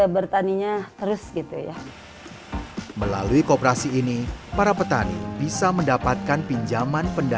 bertaninya terus gitu ya melalui kooperasi ini para petani bisa mendapatkan pinjaman